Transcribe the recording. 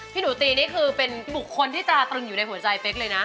พี่หนูตีนี่คือเป็นบุคคลที่จะตรึงอยู่ในหัวใจเป๊กเลยนะ